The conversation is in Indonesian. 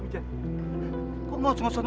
banyak pedagang liar